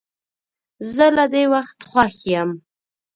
زه له دې وخت خوښ یم.